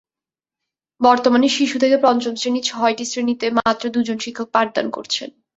বর্তমানে শিশু থেকে পঞ্চম শ্রেণি ছয়টি শ্রেণিতে মাত্র দুজন শিক্ষক পাঠদান করছেন।